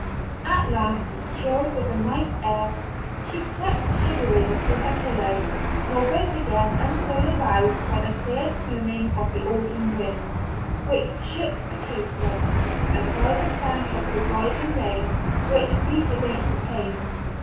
At last, chilled with the night air, she crept shivering to her pillow, nor woke again until aroused by the fierce moaning of the autumn wind, which shook the casement, and by the sound of the driving rain which beat against the pane.